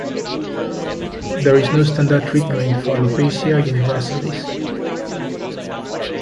There is no standard treatment for alopecia universalis.